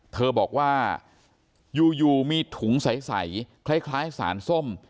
เธอบอกว่าอยู่อยู่มีถุงใสคล้ายคล้ายสารส้ม